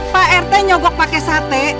pak rt nyogok pakai sate